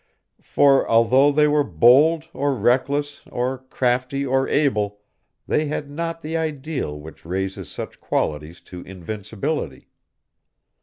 For, although they were bold or reckless or crafty or able, they had not the ideal which raises such qualities to invincibility.